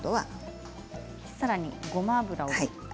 さらにごま油を。